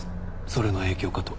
それの影響かと。